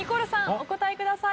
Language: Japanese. お答えください。